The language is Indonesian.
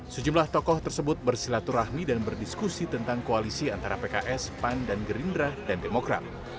sejumlah tokoh tersebut bersilaturahmi dan berdiskusi tentang koalisi antara pks pan dan gerindra dan demokrat